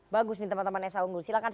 bagus nih teman teman sa unggul silahkan